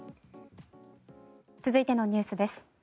続いてのニュースです。